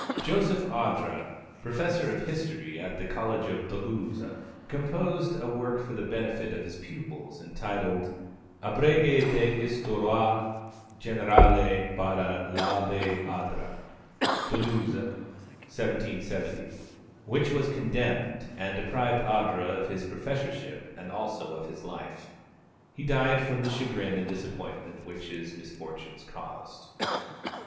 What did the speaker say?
Joseph Audra, Professor of History at the College of Toulouse, composed a work for the benefit of his pupils entitled Abrégé d'Histoire générale, par l'Abbé Audra (Toulouse, 1770), which was condemned, and deprived Audra of his professorship, and also of his life. He died from the chagrin and disappointment which his misfortunes caused.